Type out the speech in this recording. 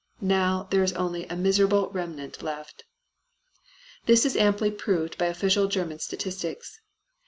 Now there is only a miserable remnant left. This is amply proved by official German statistics.